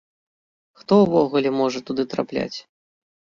Хто ўвогуле можа туды трапляць?